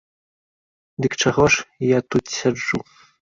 Дык чаго ж я тут сяджу?